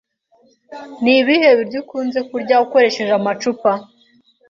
Ni ibihe biryo ukunze kurya ukoresheje amacupa?